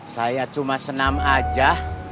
saya cuma senam aja